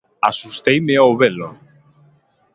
Asusteime ao velo.